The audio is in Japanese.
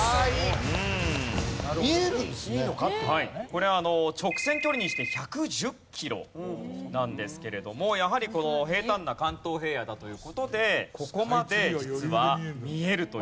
これ直線距離にして１１０キロなんですけれどもやはり平坦な関東平野だという事でここまで実は見えるという。